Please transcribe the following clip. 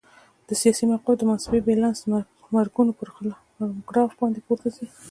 د سیاسي موقف د محاسبې بیلانس د مرګونو پر ګراف باندې پورته ځي.